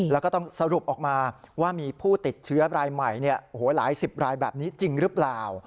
แล้วก็ต้องสรุปออกมาว่ามีผู้ติดเชื้อรายใหม่หลายสิบรายแบบนี้จริงหรือเปล่า